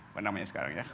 mana namanya sekarang ya